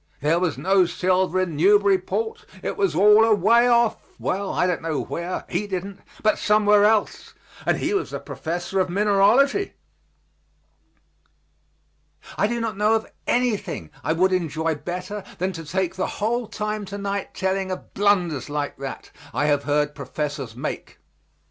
There was no silver in Newburyport; it was all away off well, I don't know where; he didn't, but somewhere else and he was a professor of mineralogy. I do not know of anything I would enjoy better than to take the whole time to night telling of blunders like that I have heard professors make.